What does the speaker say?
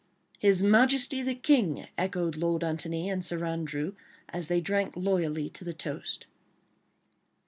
"His Majesty the King!" echoed Lord Antony and Sir Andrew as they drank loyally to the toast.